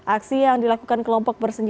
aksi yang dilakukan kelompok bersenjata